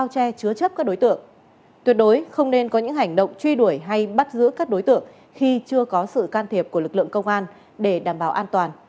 tuyệt đối không nên có những hành động truy đuổi hay bắt giữ các đối tượng khi chưa có sự can thiệp của lực lượng công an để đảm bảo an toàn